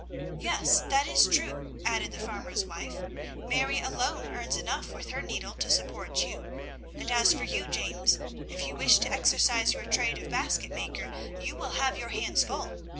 "Yes, that is true," added the farmer's wife. "Mary alone earns enough with her needle to support you; and as for you, James, if you wish to exercise your trade of basket maker, you will have your hands full.